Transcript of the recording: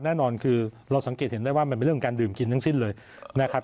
แน่นอนคือเราสังเกตเห็นได้ว่ามันเป็นเรื่องของการดื่มกินทั้งสิ้นเลยนะครับ